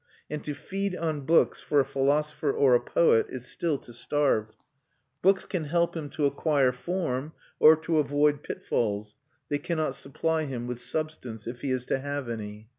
And to feed on books, for a philosopher or a poet, is still to starve. Books can help him to acquire form, or to avoid pitfalls; they cannot supply him with substance, if he is to have any.